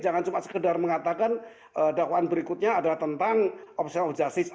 jangan cuma sekedar mengatakan dakwaan berikutnya adalah tentang optional of justice